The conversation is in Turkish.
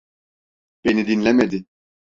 Beni dinlemedi.